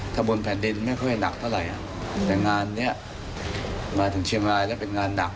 ถ้าบนแผ่นดินไม่ค่อยหนักเท่าไหร่แต่งานนี้มาถึงเชียงรายแล้วเป็นงานหนัก